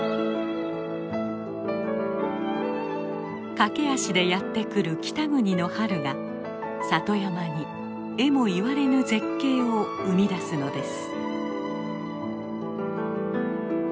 駆け足でやって来る北国の春が里山にえも言われぬ絶景を生み出すのです。